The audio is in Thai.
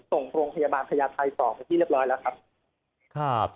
ส่งโรงพยาบาลพญาไทยต่อไปที่เรียบร้อยแล้วครับ